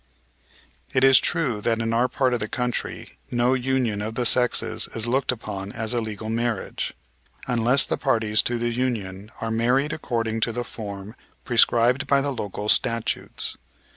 "It is true that in our part of the country no union of the sexes is looked upon as a legal marriage unless the parties to the union are married according to the form prescribed by the local statutes.